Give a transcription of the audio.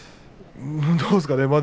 どうですかね。